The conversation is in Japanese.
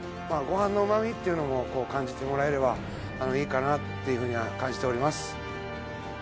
まあご飯の旨味っていうのもこう感じてもらえればいいかなっていうふうには感じております